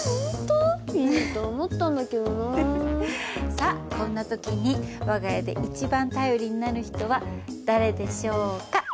さあこんな時に我が家で一番頼りになる人は誰でしょうか？